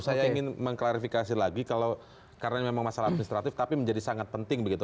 saya ingin mengklarifikasi lagi kalau karena memang masalah administratif tapi menjadi sangat penting begitu